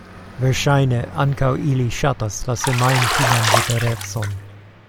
Verŝajne, ankaŭ ili ŝatas la semajnfinan liberecon.